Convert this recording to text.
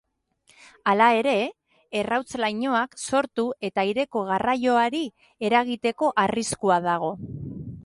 Hala ere, errauts lainoak sortu eta aireko garraioari eragiteko arriskua dago.